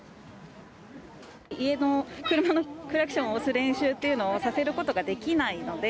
家の車のクラクションを押す練習っていうのをさせることができないので。